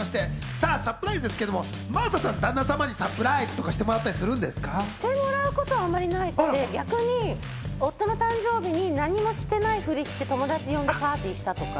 サプライズですけど、真麻さん、旦那さんにサプライズとかしてもしてもらったことはなくて、逆に夫の誕生日に何もしてない振りをして、友達を呼んでパーティーをしたりとか。